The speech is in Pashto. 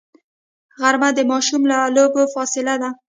غرمه د ماشوم له لوبو فاصله ده